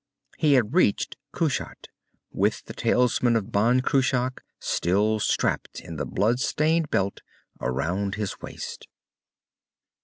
He had reached Kushat, with the talisman of Ban Cruach still strapped in the blood stained belt around his waist.